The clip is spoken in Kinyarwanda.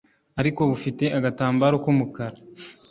ariko bufite agatambaro k'umukara.